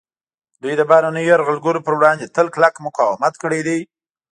دوی د بهرنیو یرغلګرو پر وړاندې تل کلک مقاومت کړی دی